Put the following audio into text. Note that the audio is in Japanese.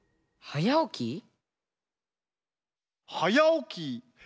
「はやおき」